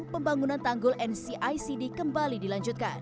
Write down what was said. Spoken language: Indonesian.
pembangunan tanggul ncicd kembali dilanjutkan